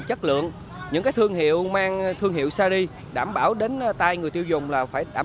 chất lượng những thương hiệu mang thương hiệu sari đảm bảo đến tay người tiêu dùng là phải đảm